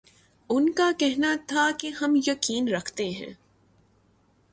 ان کا کہنا تھا کہ ہم یقین رکھتے ہیں